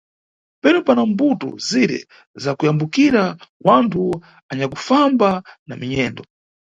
Penu pana mbuto zire za kuyambukira wanthu anyakufamba na minyendo.